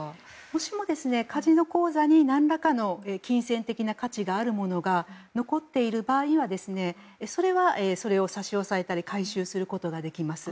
もしも、カジノ口座に何らかの金銭的な価値があるものが残っている場合はそれを差し押さえたり回収することができます。